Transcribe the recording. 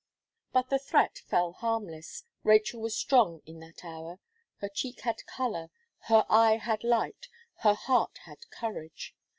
But the threat fell harmless, Rachel was strong in that hour; her cheek had colour, her eye had light, her heart had courage.